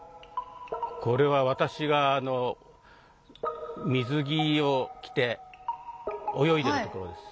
これは私が水着を着て泳いでるところです。